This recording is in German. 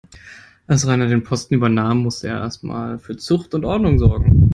Als Rainer den Posten übernahm, musste er erst einmal für Zucht und Ordnung sorgen.